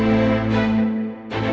pas cuma pengemasan